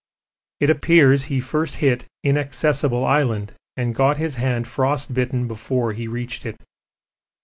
It appears he first hit Inaccessible Island, and got his hand frostbitten before he reached it.